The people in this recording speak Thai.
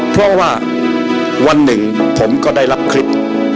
เพราะว่าวันหนึ่งผมก็ได้รับคลิป